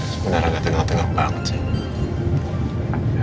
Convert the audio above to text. sebenarnya agak tengah tengah banget sih